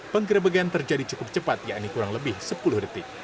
penggerebekan terjadi cukup cepat yakni kurang lebih sepuluh detik